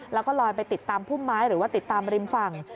แล้วก็ลอยไปติดตามพุ่มไม้หรือว่าติดตามริมฝั่ง